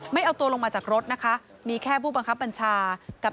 ไม่เอาตัวลงมาจากรถนะคะมีแค่ผู้บังคับบัญชากับ